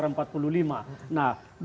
nah kembali kepada raditya